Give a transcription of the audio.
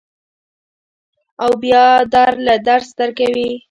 او بیا در له درس درکوي.